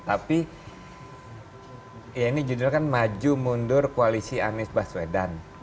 tapi ya ini judul kan maju mundur koalisi anies baswedan